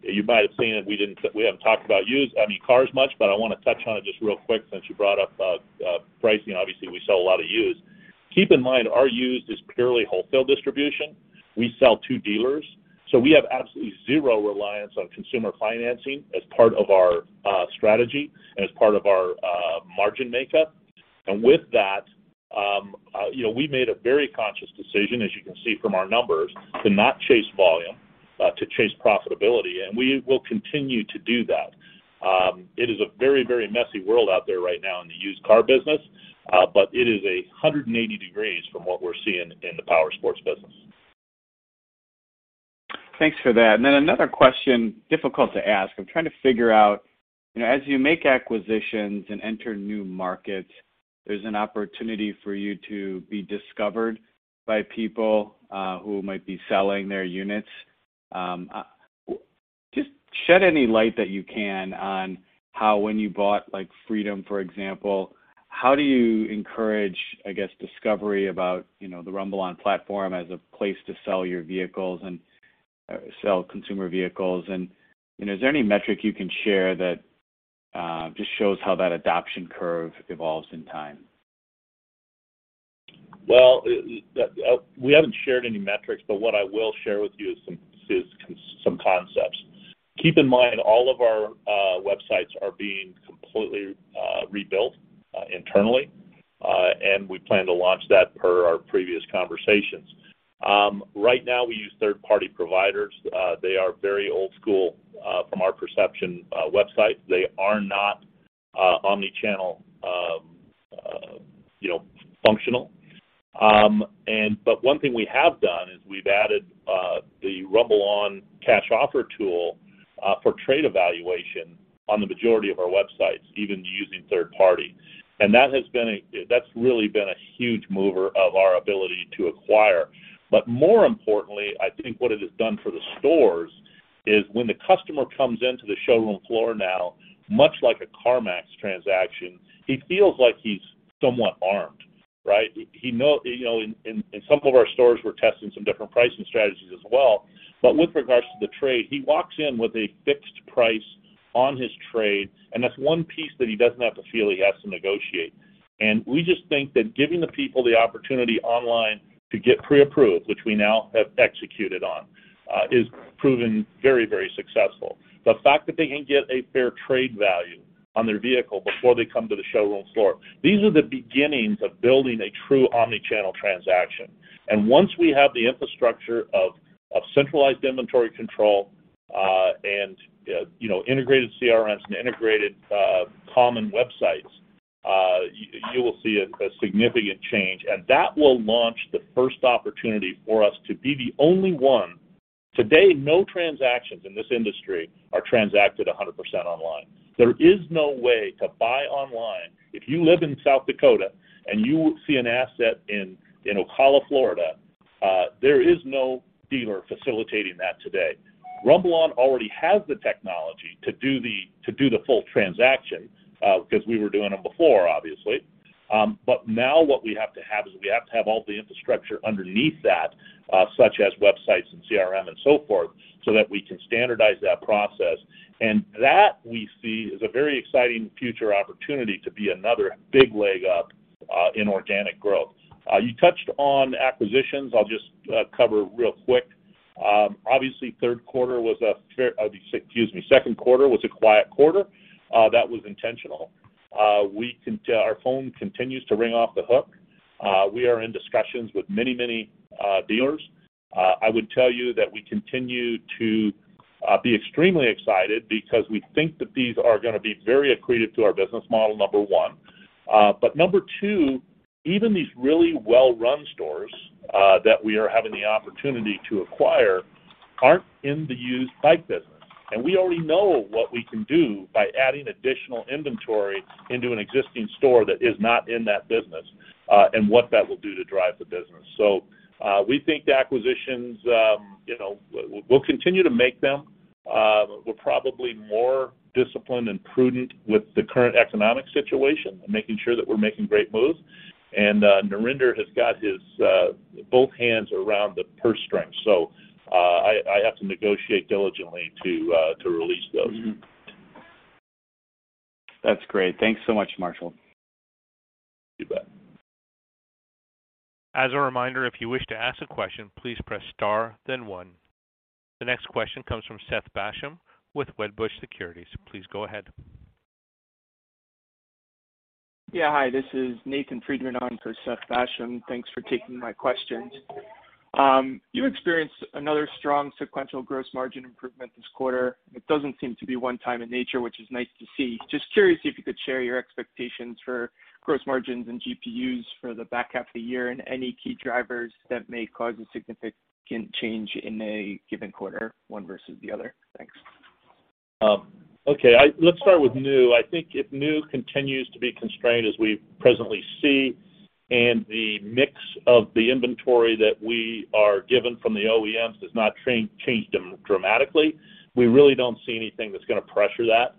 You might have seen it, we haven't talked about used, I mean, cars much, but I wanna touch on it just real quick since you brought up pricing. Obviously, we sell a lot of used. Keep in mind, our used is purely wholesale distribution. We sell to dealers, so we have absolutely zero reliance on consumer financing as part of our strategy and as part of our margin makeup. With that, you know, we made a very conscious decision, as you can see from our numbers, to not chase volume to chase profitability, and we will continue to do that. It is a very, very messy world out there right now in the used car business, but it is 180 degrees from what we're seeing in the powersports business. Thanks for that. Another question, difficult to ask. I'm trying to figure out, you know, as you make acquisitions and enter new markets, there's an opportunity for you to be discovered by people who might be selling their units. Just shed any light that you can on how when you bought like Freedom, for example, how do you encourage, I guess, discovery about, you know, the RumbleOn platform as a place to sell your vehicles and sell consumer vehicles and is there any metric you can share that just shows how that adoption curve evolves in time? Well, we haven't shared any metrics, but what I will share with you is some concepts. Keep in mind, all of our websites are being completely rebuilt internally, and we plan to launch that per our previous conversations. Right now, we use third-party providers. They are very old school from our perception websites. They are not omni-channel, you know, functional. One thing we have done is we've added the RumbleOn Cash Offer Tool for trade evaluation on the majority of our websites, even using third-party. That's really been a huge mover of our ability to acquire. More importantly, I think what it has done for the stores is when the customer comes into the showroom floor now, much like a CarMax transaction, he feels like he's somewhat armed, right? He knows, you know, in some of our stores, we're testing some different pricing strategies as well. With regards to the trade, he walks in with a fixed price on his trade, and that's one piece that he doesn't have to feel he has to negotiate. We just think that giving the people the opportunity online to get pre-approved, which we now have executed on, is proving very, very successful. The fact that they can get a fair trade value on their vehicle before they come to the showroom floor. These are the beginnings of building a true omni-channel transaction. Once we have the infrastructure of centralized inventory control, and you know, integrated CRMs and integrated common websites, you will see a significant change, and that will launch the first opportunity for us to be the only one. Today, no transactions in this industry are transacted 100% online. There is no way to buy online. If you live in South Dakota and you see an asset in Ocala, Florida, there is no dealer facilitating that today. RumbleOn already has the technology to do the full transaction, because we were doing them before, obviously. Now what we have to have is we have to have all the infrastructure underneath that, such as websites and CRM and so forth, so that we can standardize that process. That we see as a very exciting future opportunity to be another big leg up in organic growth. You touched on acquisitions. I'll just cover real quick. Obviously, second quarter was a quiet quarter. That was intentional. Our phone continues to ring off the hook. We are in discussions with many dealers. I would tell you that we continue to be extremely excited because we think that these are gonna be very accretive to our business model, number one. Number two, even these really well-run stores that we are having the opportunity to acquire aren't in the used bike business. We already know what we can do by adding additional inventory into an existing store that is not in that business, and what that will do to drive the business. We think the acquisitions, we'll continue to make them. We're probably more disciplined and prudent with the current economic situation and making sure that we're making great moves. Narinder has got his both hands around the purse strings, so I have to negotiate diligently to release those. That's great. Thanks so much, Marshall. You bet. As a reminder, if you wish to ask a question, please press star then one. The next question comes from Seth Basham with Wedbush Securities. Please go ahead. Yeah. Hi, this is Nathan Friedman on for Seth Basham. Thanks for taking my questions. You experienced another strong sequential gross margin improvement this quarter. It doesn't seem to be one time in nature, which is nice to see. Just curious if you could share your expectations for gross margins and GPUs for the back half of the year and any key drivers that may cause a significant change in a given quarter, one versus the other. Thanks. Let's start with new. I think if new continues to be constrained as we presently see, and the mix of the inventory that we are given from the OEMs does not change dramatically, we really don't see anything that's gonna pressure that.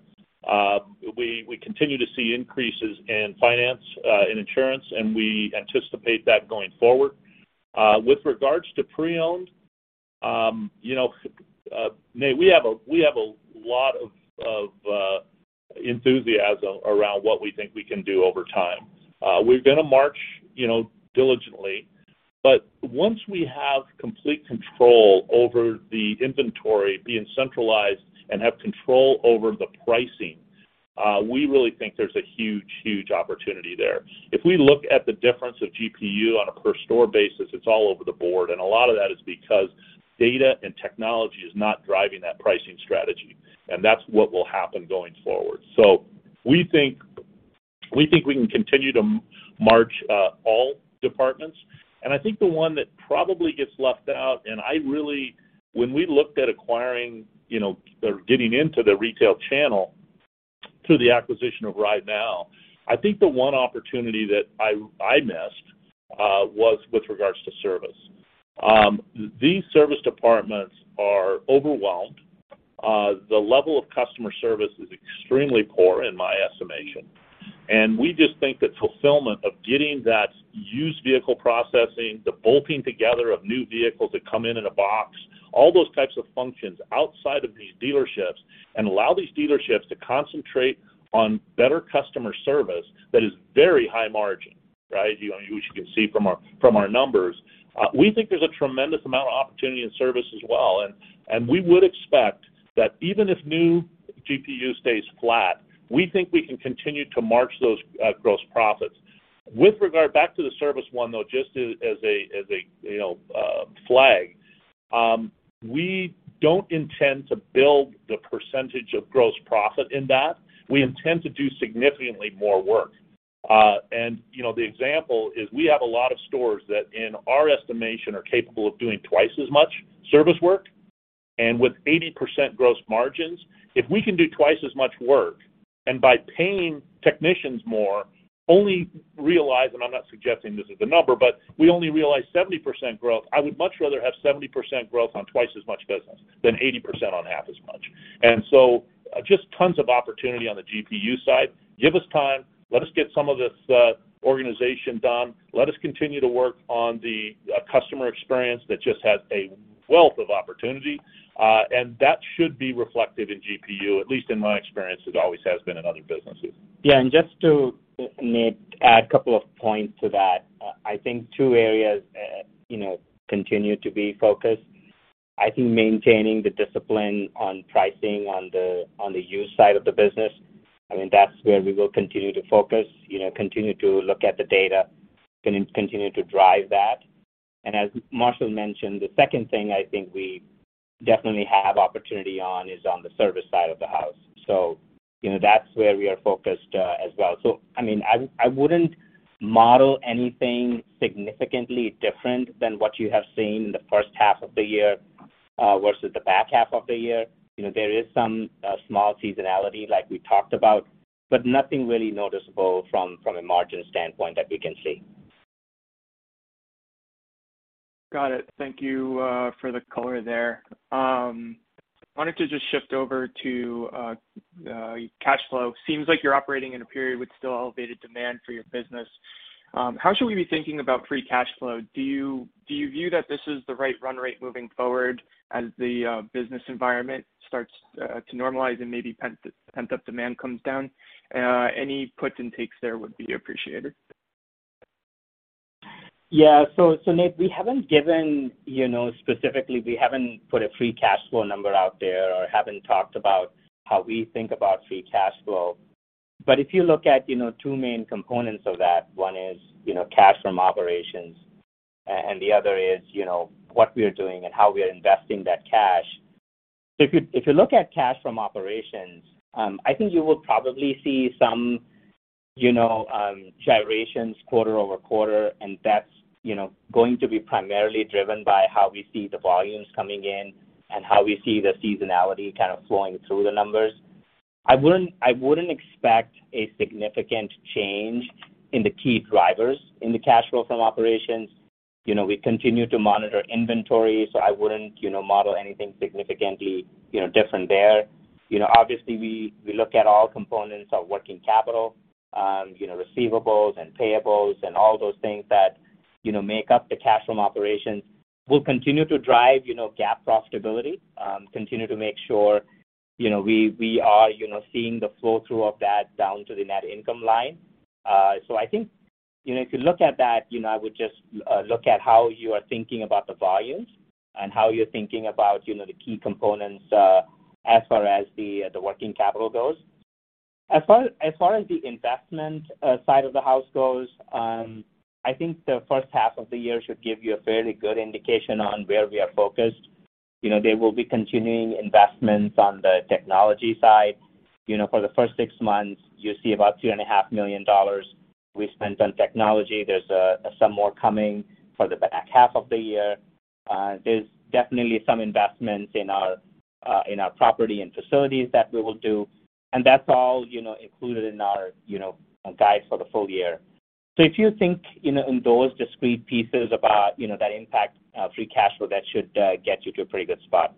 We continue to see increases in finance, in insurance, and we anticipate that going forward. With regards to pre-owned, you know, Nate, we have a lot of enthusiasm around what we think we can do over time. We're gonna march, you know, diligently, but once we have complete control over the inventory being centralized and have control over the pricing, we really think there's a huge opportunity there. If we look at the difference of GPU on a per store basis, it's all over the board, and a lot of that is because data and technology is not driving that pricing strategy, and that's what will happen going forward. We think we can continue to march all departments. I think the one that probably gets left out. When we looked at acquiring, you know, or getting into the retail channel through the acquisition of RideNow, I think the one opportunity that I missed was with regards to service. These service departments are overwhelmed. The level of customer service is extremely poor in my estimation. We just think the fulfillment of getting that used vehicle processing, the bolting together of new vehicles that come in in a box, all those types of functions outside of these dealerships and allow these dealerships to concentrate on better customer service that is very high margin, right? You know, which you can see from our numbers. We think there's a tremendous amount of opportunity in service as well. We would expect that even if new GPU stays flat, we think we can continue to march those gross profits. With regard back to the service one, though, just as a you know flag, we don't intend to build the percentage of gross profit in that. We intend to do significantly more work. You know, the example is we have a lot of stores that, in our estimation, are capable of doing twice as much service work. With 80% gross margins, if we can do twice as much work and by paying technicians more, only realize, and I'm not suggesting this is the number, but we only realize 70% growth. I would much rather have 70% growth on twice as much business than 80% on half as much. Just tons of opportunity on the GPU side. Give us time. Let us get some of this, organization done. Let us continue to work on the, customer experience that just has a wealth of opportunity. That should be reflected in GPU, at least in my experience, it always has been in other businesses. Yeah. Just to, Nate, add a couple of points to that. I think two areas, you know, continue to be focused. I think maintaining the discipline on pricing on the used side of the business. I mean, that's where we will continue to focus, you know, continue to look at the data, continue to drive that. As Marshall mentioned, the second thing I think we definitely have opportunity on is on the service side of the house. You know, that's where we are focused as well. I mean, I wouldn't model anything significantly different than what you have seen in the first half of the year versus the back half of the year. You know, there is some small seasonality like we talked about, but nothing really noticeable from a margin standpoint that we can see. Got it. Thank you for the color there. Wanted to just shift over to cash flow. Seems like you're operating in a period with still elevated demand for your business. How should we be thinking about free cash flow? Do you view that this is the right run rate moving forward as the business environment starts to normalize and maybe pent-up demand comes down? Any puts and takes there would be appreciated. Yeah. Nate, we haven't given, you know, specifically, we haven't put a free cash flow number out there or haven't talked about how we think about free cash flow. If you look at, you know, two main components of that, one is, you know, cash from operations, and the other is, you know, what we are doing and how we are investing that cash. If you look at cash from operations, I think you will probably see some, you know, gyrations quarter-over-quarter, and that's, you know, going to be primarily driven by how we see the volumes coming in and how we see the seasonality kind of flowing through the numbers. I wouldn't expect a significant change in the key drivers in the cash flow from operations. You know, we continue to monitor inventory, so I wouldn't, you know, model anything significantly, you know, different there. You know, obviously, we look at all components of working capital, you know, receivables and payables and all those things that, you know, make up the cash from operations. We'll continue to drive, you know, GAAP profitability, continue to make sure, you know, we are, you know, seeing the flow through of that down to the net income line. So I think, you know, if you look at that, you know, I would just look at how you are thinking about the volumes and how you're thinking about, you know, the key components, as far as the working capital goes. As far as the investment side of the house goes, I think the first half of the year should give you a fairly good indication on where we are focused. You know, they will be continuing investments on the technology side. You know, for the first six months, you see about $2.5 million we spent on technology. There's some more coming for the back half of the year. There's definitely some investments in our property and facilities that we will do, and that's all, you know, included in our guide for the full year. If you think, you know, in those discrete pieces about, you know, that impact free cash flow, that should get you to a pretty good spot.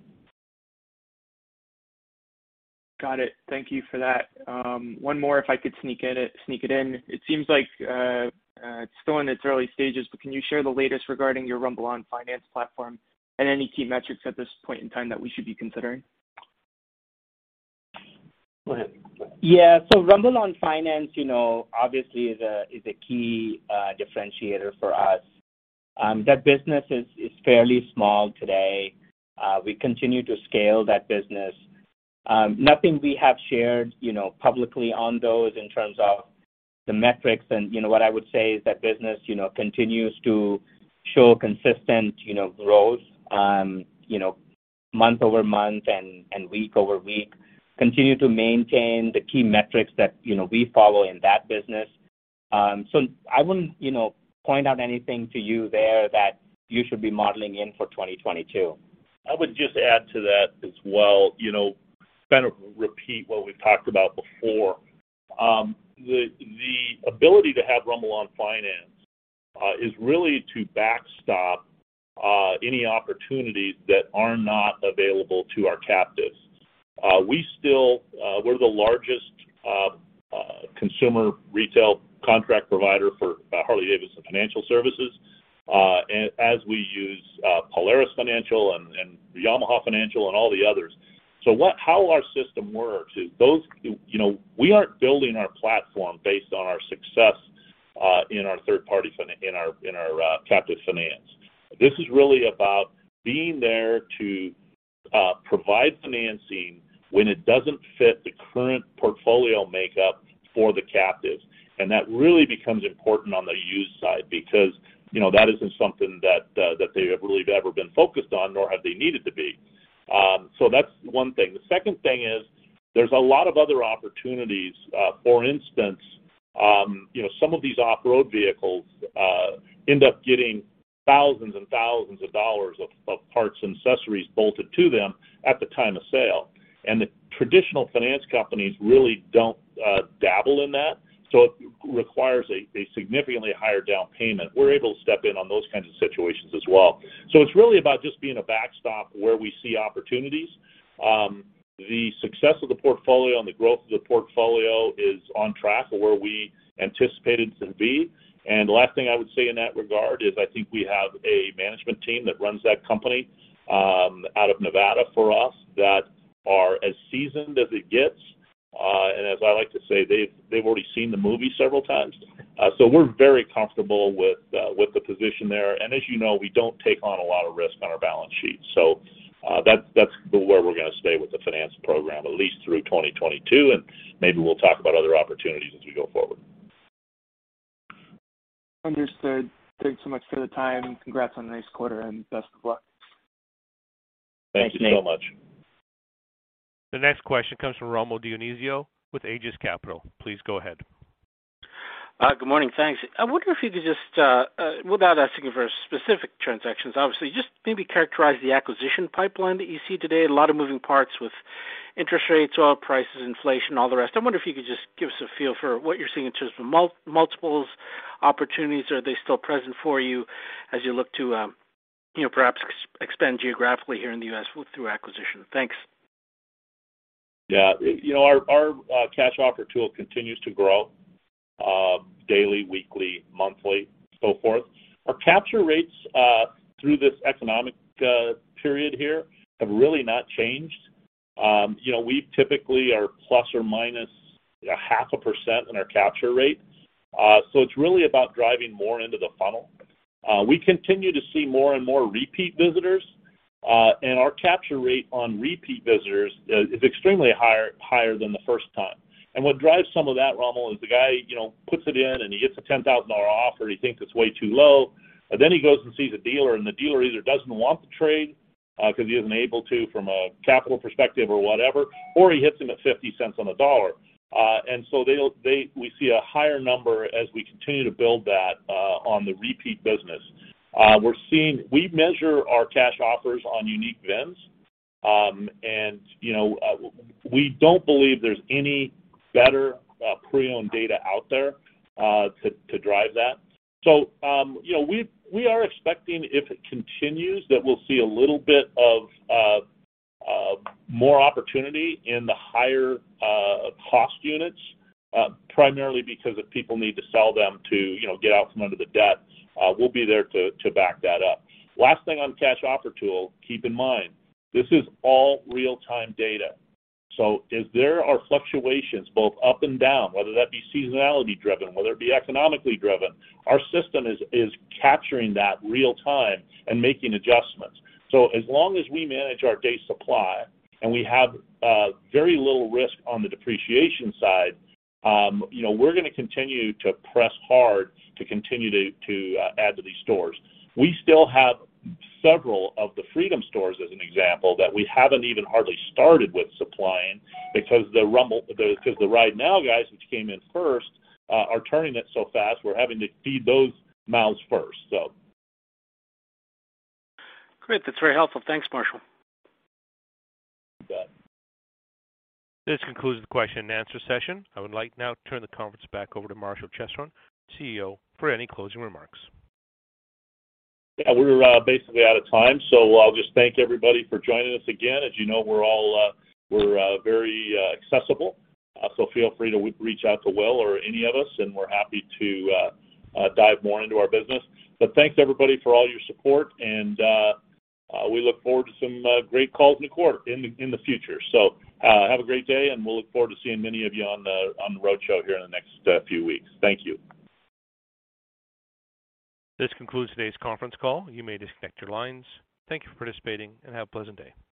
Got it. Thank you for that. One more, if I could sneak it in. It seems like it's still in its early stages, but can you share the latest regarding your RumbleOn Finance platform and any key metrics at this point in time that we should be considering? Go ahead. Yeah. RumbleOn Finance, you know, obviously is a key differentiator for us. That business is fairly small today. We continue to scale that business. Nothing we have shared, you know, publicly on those in terms of the metrics. What I would say is that business, you know, continues to show consistent, you know, growth, you know, month-over-month and week-over-week, continue to maintain the key metrics that, you know, we follow in that business. So I wouldn't, you know, point out anything to you there that you should be modeling in for 2022. I would just add to that as well, you know, kind of repeat what we've talked about before. The ability to have RumbleOn Finance is really to backstop any opportunities that are not available to our captives. We still, we're the largest consumer retail contract provider for Harley-Davidson Financial Services, as we use Polaris Financial Services and Yamaha Financial Services and all the others. How our system works is you know, we aren't building our platform based on our success in our third party finance, in our captive finance. This is really about being there to provide financing when it doesn't fit the current portfolio makeup for the captives. That really becomes important on the used side because, you know, that isn't something that they have really ever been focused on nor have they needed to be. That's one thing. The second thing is there's a lot of other opportunities. For instance, you know, some of these off-road vehicles end up getting thousands and thousands of dollars of parts and accessories bolted to them at the time of sale. The traditional finance companies really don't dabble in that. It requires a significantly higher down payment. We're able to step in on those kinds of situations as well. It's really about just being a backstop where we see opportunities. The success of the portfolio and the growth of the portfolio is on track of where we anticipated to be. The last thing I would say in that regard is I think we have a management team that runs that company out of Nevada for us that are as seasoned as it gets. As I like to say, they've already seen the movie several times. We're very comfortable with the position there. As you know, we don't take on a lot of risk on our balance sheet. That's where we're gonna stay with the finance program, at least through 2022, and maybe we'll talk about other opportunities as we go forward. Understood. Thanks so much for the time. Congrats on a nice quarter and best of luck. Thank you so much. The next question comes from Rommel Dionisio with Aegis Capital. Please go ahead. Good morning. Thanks. I wonder if you could just, without asking for specific transactions, obviously, just maybe characterize the acquisition pipeline that you see today. A lot of moving parts with interest rates, oil prices, inflation, all the rest. I wonder if you could just give us a feel for what you're seeing in terms of multiples opportunities. Are they still present for you as you look to, you know, perhaps expand geographically here in the U.S. through acquisition? Thanks. You know, our Cash Offer Tool continues to grow daily, weekly, monthly, so forth. Our capture rates through this economic period here have really not changed. You know, we typically are ± a half a percent in our capture rate. So it's really about driving more into the funnel. We continue to see more and more repeat visitors, and our capture rate on repeat visitors is extremely higher than the first time. What drives some of that, Rommel, is the guy, you know, puts it in and he gets a $10,000 offer, he thinks it's way too low. He goes and sees a dealer, and the dealer either doesn't want the trade, because he isn't able to from a capital perspective or whatever, or he hits him at 50 cents on the dollar. We see a higher number as we continue to build that, on the repeat business. We measure our cash offers on unique VINs, and you know, we don't believe there's any better pre-owned data out there to drive that. You know, we are expecting, if it continues, that we'll see a little bit of more opportunity in the higher cost units, primarily because if people need to sell them to you know, get out from under the debt, we'll be there to back that up. Last thing on Cash Offer Tool. Keep in mind, this is all real-time data. If there are fluctuations both up and down, whether that be seasonality driven, whether it be economically driven, our system is capturing that real time and making adjustments. As long as we manage our days' supply and we have very little risk on the depreciation side, you know, we're gonna continue to press hard to continue to add to these stores. We still have several of the Freedom stores as an example, that we haven't even hardly started with supplying because the RideNow guys, which came in first, are turning it so fast, we're having to feed those mouths first. Great. That's very helpful. Thanks, Marshall. You bet. This concludes the Q&A session. I would like now to turn the conference back over to Marshall Chesrown, CEO, for any closing remarks. Yeah, we're basically out of time, so I'll just thank everybody for joining us again. As you know, we're all very accessible, so feel free to reach out to Will or any of us, and we're happy to dive more into our business. But thanks everybody for all your support and we look forward to some great calls in the quarter, in the future. Have a great day and we'll look forward to seeing many of you on the roadshow here in the next few weeks. Thank you. This concludes today's conference call. You may disconnect your lines. Thank you for participating and have a pleasant day.